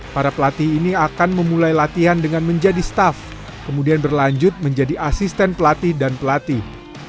para pelatih ini akan memulai latihan dengan menjadi staff kemudian berlanjut menjadi asisten pelatih dan pelatih